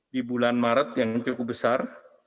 di bulan maret yang cukup besar